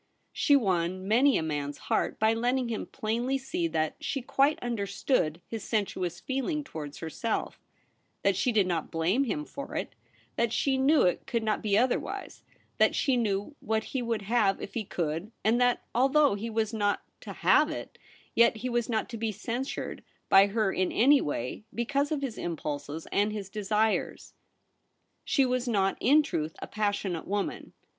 She won many a man's heart by letting him plainly see that she quite understood his sensuous feeling towards herself ; that she did not blame him for it, that she knew it could not be other wise ; that she knew what he would have if he could, and that although he was not to have it, yet he was not to be censured by her in any way because of his impulses and his desires. She was not, in truth, a passionate woman.